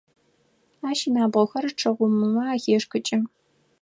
Ащ инабгъохэр чы гъумымэ ахешӏыкӏы.